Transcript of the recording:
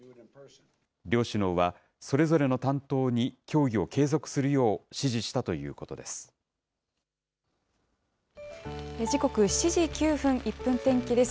両首脳はそれぞれの担当に協議を継続するよう指示したということ時刻７時９分、１分天気です。